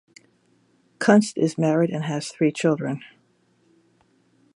Kunst is married and has three children.